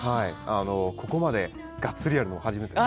ここまで、がっつりやるの初めてです。